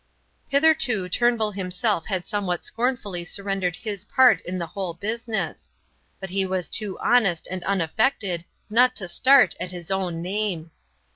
Hitherto Turnbull himself had somewhat scornfully surrendered his part in the whole business; but he was too honest and unaffected not to start at his own name.